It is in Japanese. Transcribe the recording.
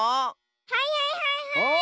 はいはいはいはい！